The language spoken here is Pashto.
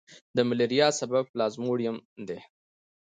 د ملیریا سبب پلازموډیم دی.